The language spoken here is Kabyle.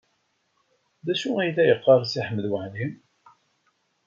D acu ay la yeqqar Si Ḥmed Waɛli?